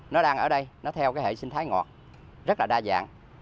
nó đang ở đây nó theo cái hệ sinh thái ngọt rất là đa dạng